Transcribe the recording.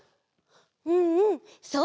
うんうんそう！